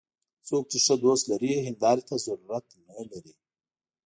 څوک چې ښه دوست لري، هنداري ته ضرورت نه لري